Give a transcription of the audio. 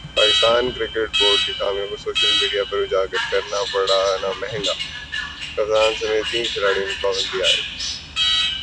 Pakistan cricket board کی خامیوں کو سوشل میڈیا پر اجاگر کرنا پڑا مہنگا ، کپتان سمیت تین کھلاڑیوں پر پابندی عائد